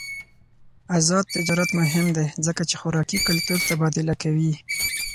آزاد تجارت مهم دی ځکه چې خوراکي کلتور تبادله کوي.